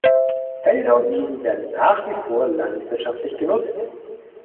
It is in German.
Felder und Wiesen werden nach wie vor landwirtschaftlich genutzt.